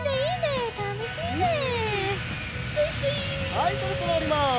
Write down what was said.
はいそろそろおります。